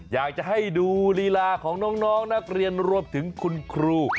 อยากจะให้ดูลีลาของน้องนักเรียนรวมถึงคุณครู